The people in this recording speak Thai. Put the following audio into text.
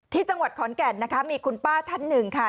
ที่จังหวัดขอนแก่นนะคะมีคุณป้าท่านหนึ่งค่ะ